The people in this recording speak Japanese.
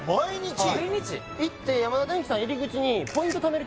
行ってヤマダデンキさん入り口にポイントためる